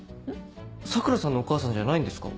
佐倉さんのお母さんじゃないんですか？